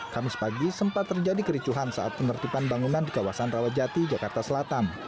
kamis pagi sempat terjadi kericuhan saat penertiban bangunan di kawasan rawajati jakarta selatan